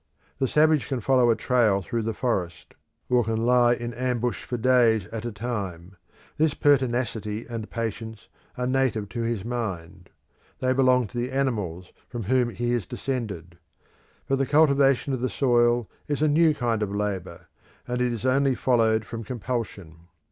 The savage can follow a trail through the forest, or can lie in ambush for days at a time; this pertinacity and patience are native to his mind; they belong to the animals from whom he is descended: but the cultivation of the soil is a new kind of labour, and it is only followed from compulsion.